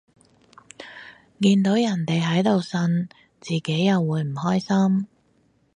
見到人哋喺度呻，自己又唔會開心